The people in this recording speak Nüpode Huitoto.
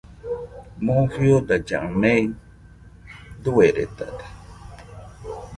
Moo fiodailla mei dueredade